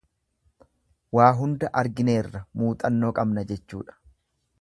Waa hunda argineerra muuxannoo qabna jechuudha.